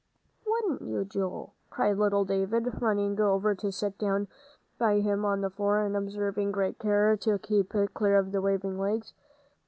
"Wouldn't you, Joel?" cried little David, running over to sit down by him on the floor, and observing great care to keep clear of the waving legs.